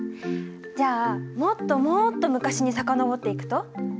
じゃあもっともっと昔に遡っていくと？